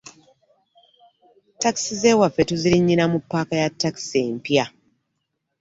Taxi zewaffe tuzirinyira mu paaka ya taxi empya.